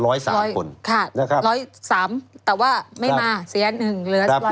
ค่ะ๑๐๓แต่ว่าไม่มาเสียหนึ่ง